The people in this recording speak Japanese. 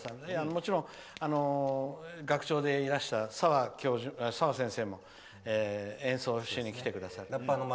もちろん、学長でいらした澤先生も演奏しに来てくださって。